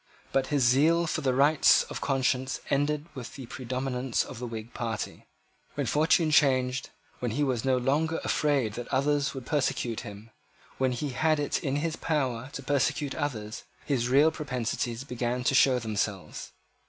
But his zeal for the rights of conscience ended with the predominance of the Whig party. When fortune changed, when he was no longer afraid that others would persecute him, when he had it in his power to persecute others, his real propensities began to show themselves.